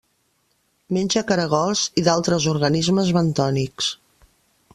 Menja caragols i d'altres organismes bentònics.